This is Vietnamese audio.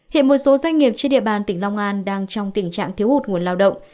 hiện một số doanh nghiệp trên địa bàn tỉnh long an đang trong tình trạng thiếu hụt nguồn lao động